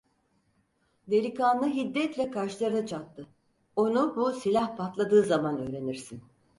Delikanlı hiddetle kaşlarını çattı: - Onu bu silah patladığı zaman öğrenirsin!